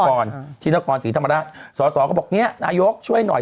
ก่อนที่นครศรีธรรมราชสอสอก็บอกเนี่ยนายกช่วยหน่อย